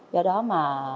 do đó mà